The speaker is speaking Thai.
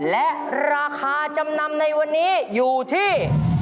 และราคาจำนำในวันนี้อยู่ที่